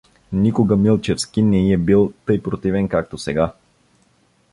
Никога Милчевски не й е бил тъй противен, както сега.